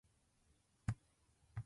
合格テキスト